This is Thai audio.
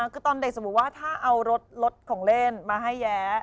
คือตอนเด็กสมมุติว่าถ้าเอารถของเล่นมาให้แย้